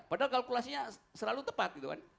padahal kalkulasinya selalu tepat